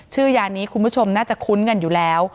ยานี้คุณผู้ชมน่าจะคุ้นกันอยู่แล้ว